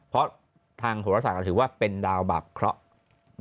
เพราะทางโหรศาสก็ถือว่าเป็นดาวบาปเคราะห์